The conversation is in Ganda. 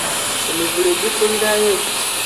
Emivule gikulirayo.